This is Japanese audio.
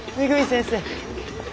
先生。